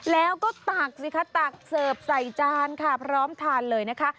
แล้วก็ตักสิคะตักเสิร์ฟใส่จานค่ะพร้อมทานเลยนะคะ